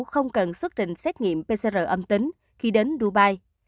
không cần xuất trình xét nghiệm pcr âm tính khi đến dubai